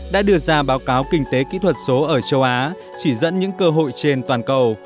đã đưa ra báo cáo kinh tế kỹ thuật số ở châu á chỉ dẫn những cơ hội trên toàn cầu